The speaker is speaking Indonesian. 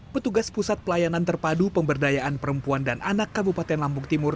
petugas pusat pelayanan terpadu pemberdayaan perempuan dan anak kabupaten lampung timur